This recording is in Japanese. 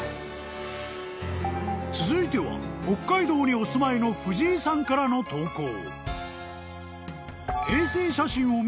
［続いては北海道にお住まいの藤井さんからの投稿］